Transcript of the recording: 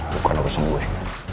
bukan aku seungguh